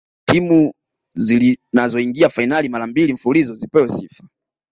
timu zinazoingia fainali mara mbili mfululizo zipewe sifa